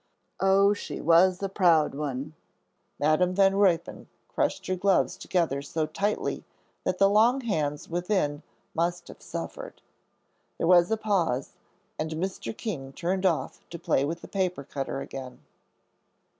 Oh, she was a proud one!" Madam Van Ruypen crushed her gloves together so tightly that the long hands within must have suffered. There was a pause, and Mr. King turned off to play with the paper cutter again.